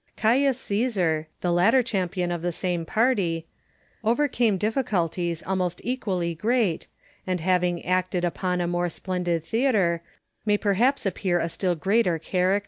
Caius Caesar, the later cham pion of the same party, overcame difficulties almost equally great, and, having acted upon a more splendid theatre, may perhaps appear a still greater character.